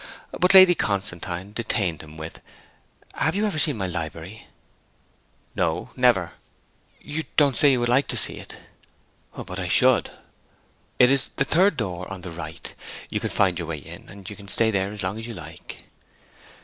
But Lady Constantine detained him with, 'Have you ever seen my library?' 'No; never.' 'You don't say you would like to see it.' 'But I should.' 'It is the third door on the right. You can find your way in, and you can stay there as long as you like.'